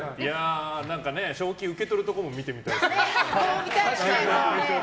賞金受け取るところも見てみたいですね。